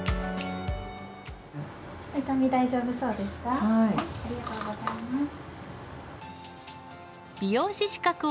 お痛み大丈夫そうですか。